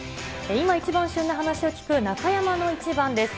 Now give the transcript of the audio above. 今一番旬な話を聞く、中山のイチバンです。